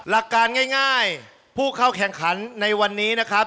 หลักการง่ายผู้เข้าแข่งขันในวันนี้นะครับ